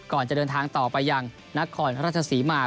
ก่อนจะเดินทางต่อไปยังนครราชศรีมา